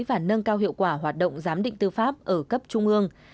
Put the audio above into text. và nâng cao hiệu quả hoạt động giám định tư pháp ở cấp trung ương